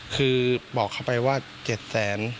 คือบอกเขาไปว่า๗๐๐๐๐๐บาท